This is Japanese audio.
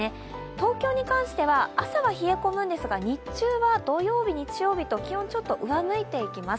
東京に関しては朝は冷え込むんですが日中は土曜日、日曜日と気温、ちょっと上向いていきます。